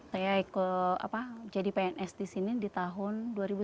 saya ikut jadi pns di sini di tahun dua ribu sembilan belas